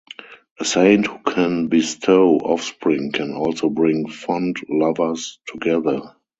A saint who can bestow offspring can also bring fond lovers together.